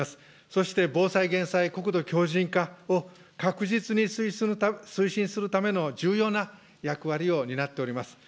そして防災・減災、国土強じん化を確実に推進するための重要な役割を担っております。